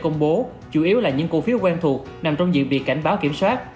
nếu là những cổ phiếu quen thuộc nằm trong diện việc cảnh báo kiểm soát